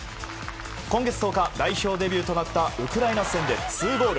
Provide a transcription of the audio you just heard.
今月１０日、代表デビューとなったウクライナ戦で２ゴール。